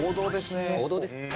王道ですね。